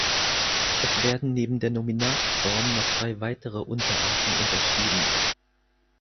Es werden neben der Nominatform noch drei weitere Unterarten unterschieden.